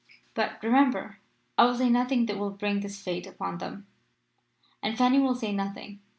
But, remember, I will say nothing that will bring this fate upon them. And Fanny will say nothing.